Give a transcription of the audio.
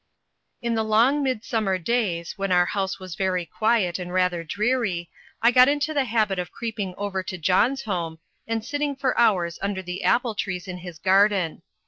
In the long midsummer days, when our house was very quiet and rather dreary, I got into the habit of creeping over to John's home, and sitting for hours under the apple trees in his garden.